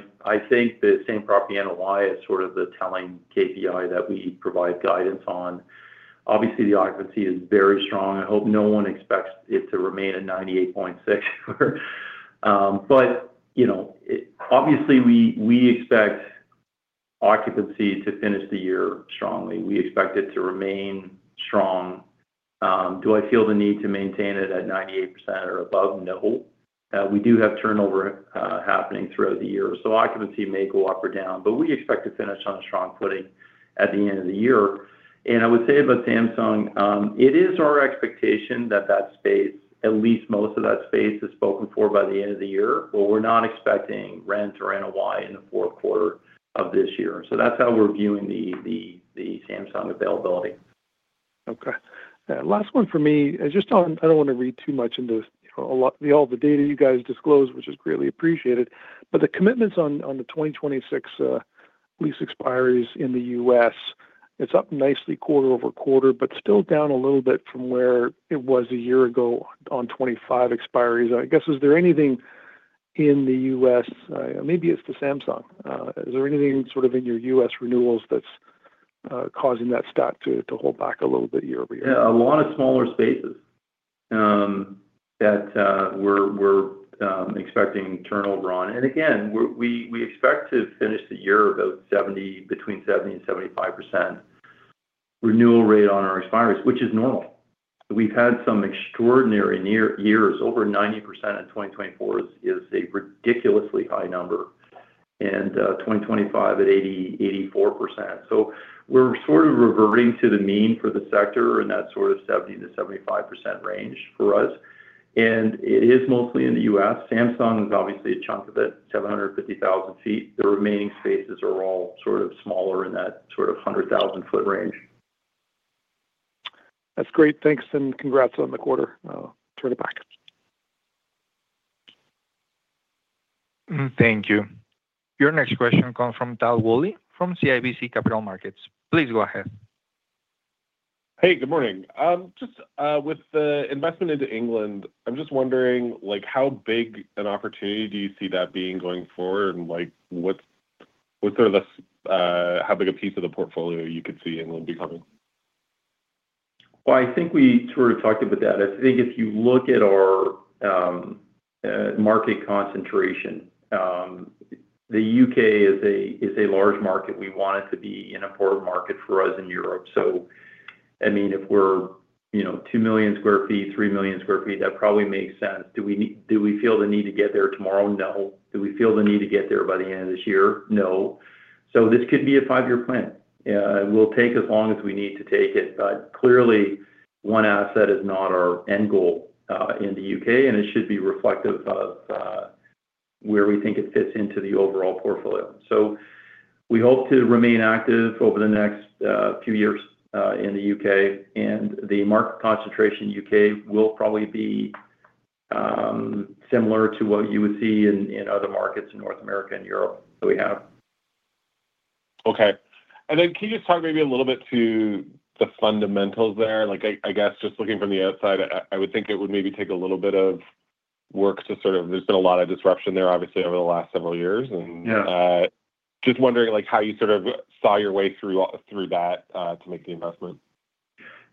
think the same-property NOI is sort of the telling KPI that we provide guidance on. Obviously, the occupancy is very strong. I hope no one expects it to remain at 98.6. You know, obviously, we expect occupancy to finish the year strongly. We expect it to remain strong. Do I feel the need to maintain it at 98% or above? No. We do have turnover happening throughout the year, so occupancy may go up or down, but we expect to finish on a strong footing at the end of the year. I would say about Samsung, it is our expectation that that space, at least most of that space, is spoken for by the end of the year, but we're not expecting rent or NOI in the fourth quarter of this year. That's how we're viewing the Samsung availability. Okay. Last one for me. Just on, I don't want to read too much into, you know, all the data you guys disclose, which is greatly appreciated. The commitments on the 2026 lease expiries in the US, it's up nicely quarter-over-quarter, but still down a little bit from where it was a year ago on 25 expiries. I guess, is there anything in the US, maybe it's the Samsung? Is there anything sort of in your US renewals that's causing that stat to hold back a little bit year-over-year? Yeah, a lot of smaller spaces that we're expecting turnover on. Again, we expect to finish the year about 70%, between 70% and 75% renewal rate on our expiries, which is normal. We've had some extraordinary near years. Over 90% in 2024 is a ridiculously high number. 2025 at 80%, 84%. We're sort of reverting to the mean for the sector, in that sort of 70%-75% range for us. It is mostly in the U.S. Samsung is obviously a chunk of it, 750,000 feet. The remaining spaces are all sort of smaller in that sort of 100,000 foot range. That's great. Thanks, and congrats on the quarter. Turn it back. Thank you. Your next question comes from Tal Woolley, from CIBC Capital Markets. Please go ahead. Hey, good morning. Just with the investment into England, I'm just wondering, like, how big an opportunity do you see that being going forward? What's sort of the how big a piece of the portfolio you could see England becoming? Well, I think we sort of talked about that. I think if you look at our market concentration, the U.K. is a large market. We want it to be an important market for us in Europe. I mean, if we're, you know, 2 million sq ft, 3 million sq ft, that probably makes sense. Do we feel the need to get there tomorrow? No. Do we feel the need to get there by the end of this year? No. This could be a 5-year plan. It will take as long as we need to take it, but clearly, one asset is not our end goal in the U.K., and it should be reflective of where we think it fits into the overall portfolio. We hope to remain active over the next few years in the U.K., and the market concentration in U.K. will probably be similar to what you would see in other markets in North America and Europe that we have. Okay. Then can you just talk maybe a little bit to the fundamentals there? Like, I guess, just looking from the outside, I would think it would maybe take a little bit of work to sort of... There's been a lot of disruption there, obviously, over the last several years. Yeah. Just wondering, like, how you sort of saw your way through that, to make the investment.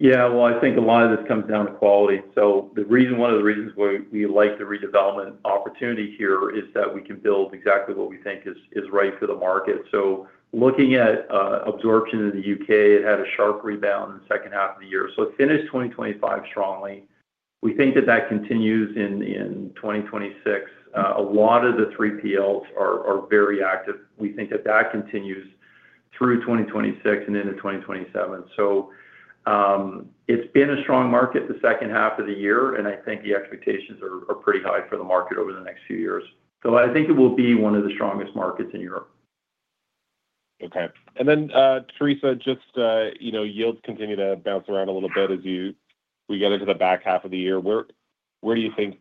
Well, I think a lot of this comes down to quality. The reason one of the reasons why we like the redevelopment opportunity here is that we can build exactly what we think is right for the market. Looking at absorption in the U.K., it had a sharp rebound in the second half of the year. It finished 2025 strongly. We think that that continues in 2026. A lot of the 3PLs are very active. We think that that continues through 2026 and into 2027. It's been a strong market the second half of the year, and I think the expectations are pretty high for the market over the next few years. I think it will be one of the strongest markets in Europe. Okay. Teresa, just, you know, yields continue to bounce around a little bit as we get into the back half of the year. Where, where do you think,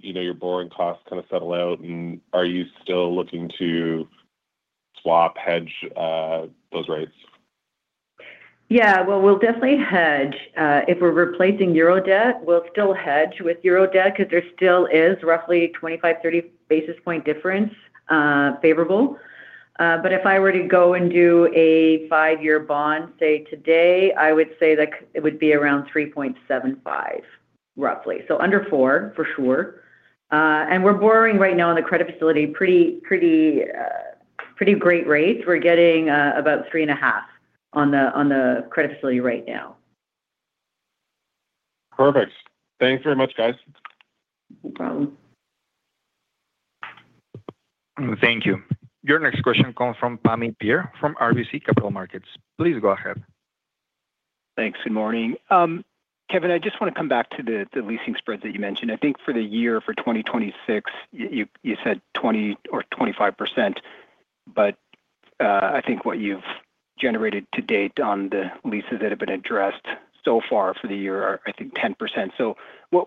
you know, your borrowing costs kinda settle out, and are you still looking to swap, hedge, those rates? Well, we'll definitely hedge. If we're replacing euro debt, we'll still hedge with euro debt, 'cause there still is roughly 25-30 basis point difference favorable. But if I were to go and do a 5-year bond, say today, I would say that it would be around 3.75, roughly. Under 4, for sure. And we're borrowing right now in the credit facility, pretty great rates. We're getting about 3.5 on the credit facility right now. Perfect. Thank you very much, guys. No problem. Thank you. Your next question comes from Pammi Bir, from RBC Capital Markets. Please go ahead. Thanks, good morning. Kevan, I just want to come back to the leasing spread that you mentioned. I think for the year for 2026, you said 20% or 25%, I think what you've generated to date on the leases that have been addressed so far for the year are, I think, 10%.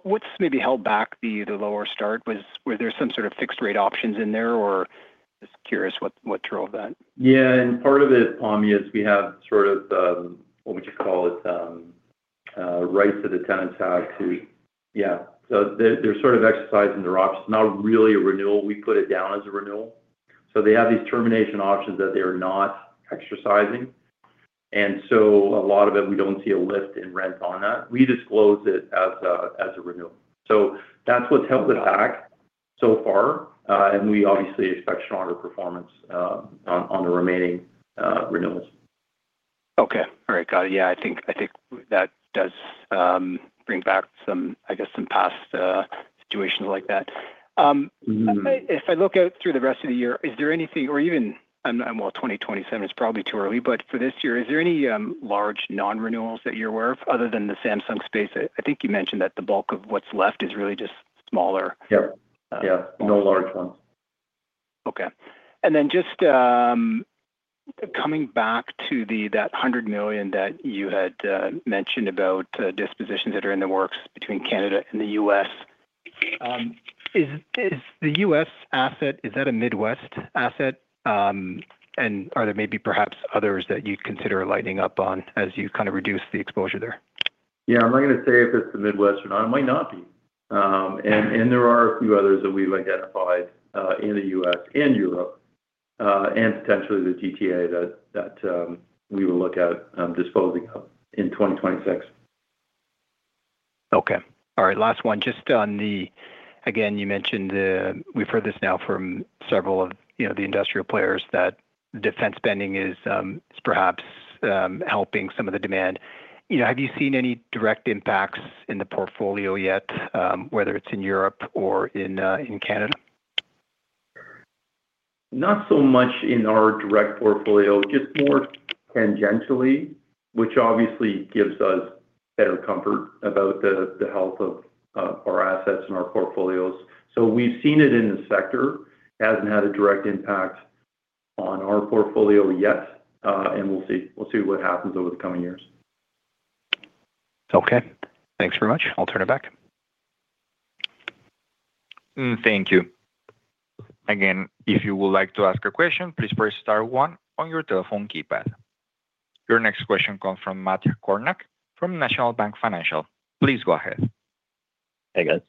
What's maybe held back the lower start? Were there some sort of fixed rate options in there, or just curious what drove that? Part of it, Pammi, is we have sort of, what you would call it, rights that the tenants have. Yeah. They're sort of exercising their options. Not really a renewal. We put it down as a renewal. They have these termination options that they are not exercising. A lot of it, we don't see a lift in rents on that. We disclose it as a renewal. That's what's held us back so far. We obviously expect stronger performance on the remaining renewals. Okay. All right, got it. Yeah, I think that does bring back some, I guess, some past situations like that. If I look out through the rest of the year, is there anything or even... And well, 2027 is probably too early, but for this year, is there any large non-renewals that you're aware of, other than the Samsung space? I think you mentioned that the bulk of what's left is really just smaller. Yep. Yeah, no large ones. Okay. Just, coming back to the, that 100 million that you had, mentioned about, dispositions that are in the works between Canada and the U.S. Is the U.S. asset, is that a Midwest asset? Are there maybe perhaps others that you'd consider lighting up on as you kind of reduce the exposure there? Yeah, I'm not gonna say if it's the Midwest or not. It might not be. There are a few others that we've identified in the US and Europe and potentially the GTA that we will look at disposing of in 2026. Okay. All right, last one. Just on the... Again, you mentioned the, we've heard this now from several of, you know, the industrial players, that defense spending is, perhaps, helping some of the demand. You know, have you seen any direct impacts in the portfolio yet, whether it's in Europe or in Canada? Not so much in our direct portfolio, just more tangentially, which obviously gives us better comfort about the health of our assets and our portfolios. We've seen it in the sector. It hasn't had a direct impact on our portfolio yet, and we'll see. We'll see what happens over the coming years. Okay. Thanks very much. I'll turn it back. Thank you. Again, if you would like to ask a question, please press star one on your telephone keypad. Your next question comes from Matt Kornack from National Bank Financial. Please go ahead. Hey, guys.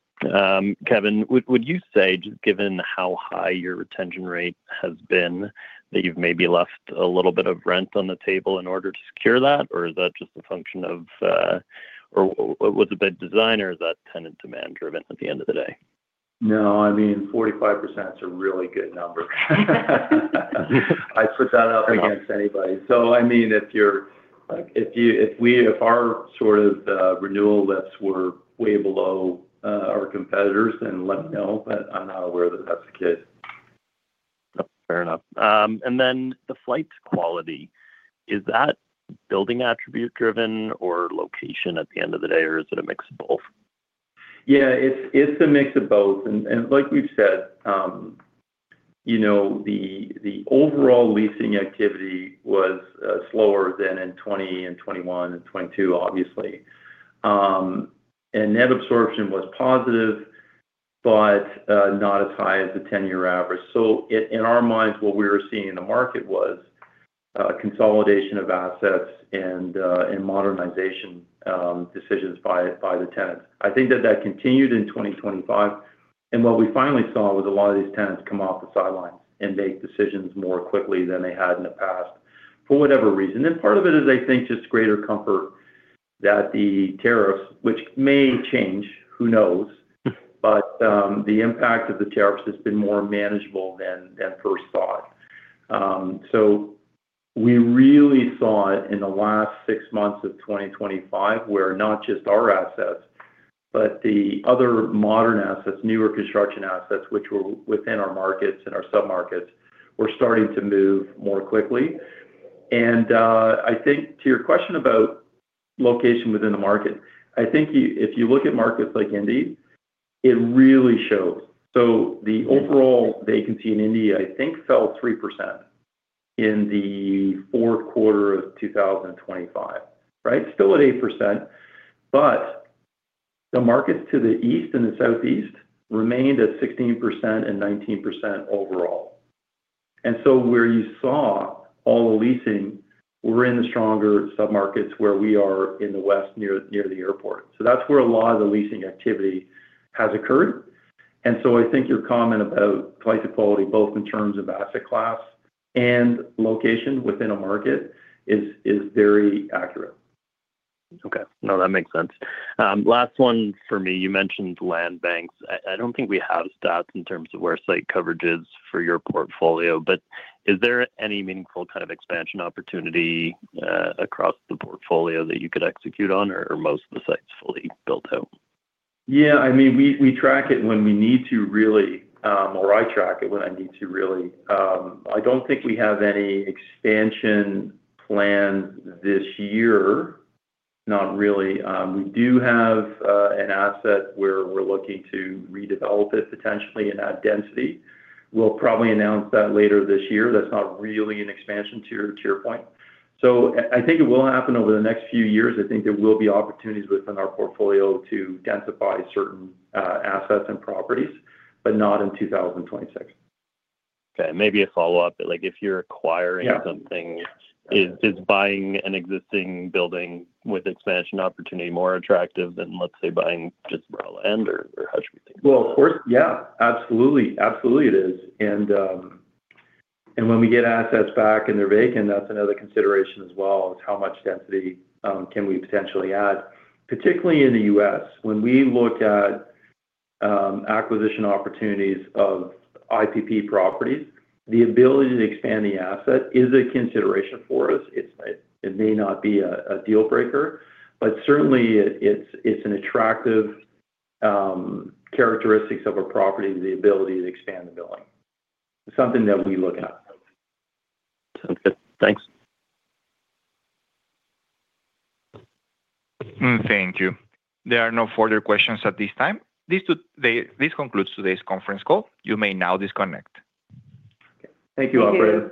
Kevan, would you say, just given how high your retention rate has been, that you've maybe left a little bit of rent on the table in order to secure that? Is that just a function of, was it by design, or is that tenant demand driven at the end of the day? No, I mean, 45% is a really good number. I'd put that up against anybody. I mean, if our sort of, renewal lists were way below, our competitors, then let me know, but I'm not aware that that's the case. Fair enough. Then the flight quality, is that building attribute driven or location at the end of the day, or is it a mix of both? Yeah, it's a mix of both. Like we've said, you know, the overall leasing activity was slower than in 2020 and 2021 and 2022, obviously. Net absorption was positive, but not as high as the 10-year average. In our minds, what we were seeing in the market was consolidation of assets and modernization decisions by the tenants. I think that continued in 2025, and what we finally saw was a lot of these tenants come off the sidelines and make decisions more quickly than they had in the past, for whatever reason. Part of it is, I think, just greater comfort that the tariffs, which may change, who knows? The impact of the tariffs has been more manageable than first thought. We really saw it in the last 6 months of 2025, where not just our assets, but the other modern assets, newer construction assets, which were within our markets and our submarkets, were starting to move more quickly. I think to your question about location within the market, I think if you look at markets like Indy, it really shows. The overall vacancy in Indy, I think, fell 3% in the 4th quarter of 2025, right? Still at 8%, but the markets to the east and the southeast remained at 16% and 19% overall. Where you saw all the leasing were in the stronger submarkets, where we are in the west, near the airport. That's where a lot of the leasing activity has occurred. I think your comment about quality, both in terms of asset class and location within a market is very accurate. Okay. No, that makes sense. Last one for me. You mentioned land banks. I don't think we have stats in terms of where site coverage is for your portfolio, but is there any meaningful kind of expansion opportunity across the portfolio that you could execute on, or are most of the sites fully built out? Yeah, I mean, we track it when we need to, really. I track it when I need to, really. I don't think we have any expansion plans this year. Not really. We do have an asset where we're looking to redevelop it potentially and add density. We'll probably announce that later this year. That's not really an expansion to your point. I think it will happen over the next few years. I think there will be opportunities within our portfolio to densify certain assets and properties, but not in 2026. Okay, maybe a follow-up. Like, if you're acquiring something, is buying an existing building with expansion opportunity more attractive than, let's say, buying just raw land, or how should we think about it? Well, of course. Yeah, absolutely. Absolutely, it is. When we get assets back and they're vacant, that's another consideration as well. Is how much density can we potentially add, particularly in the U.S. When we look at acquisition opportunities of IPP properties, the ability to expand the asset is a consideration for us. It may not be a deal breaker, but certainly it's an attractive characteristics of a property, the ability to expand the building. It's something that we look at. Sounds good. Thanks. Thank you. There are no further questions at this time. This concludes today's conference call. You may now disconnect. Thank you, operator.